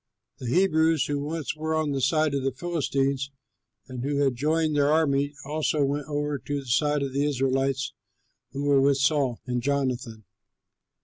The Hebrews who once were on the side of the Philistines and who had joined their army also went over to the side of the Israelites who were with Saul and Jonathan.